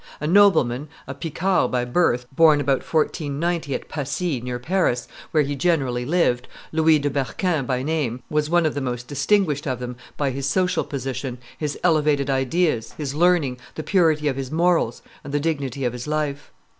A nobleman, a Picard by birth, born about 1490 at Passy, near Paris, where he generally lived, Louis de Berquin by name, was one of the most distinguished of them by his social position, his elevated ideas, his learning, the purity of his morals, and the dignity of his life.